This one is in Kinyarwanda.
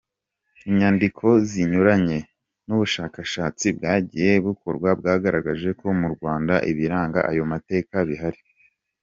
Inyandiko zinyuranye n’ubushakashatsi bwagiye bukorwa bwagaragaje ko mu Rwanda, ibiranga ayo mateka bihari.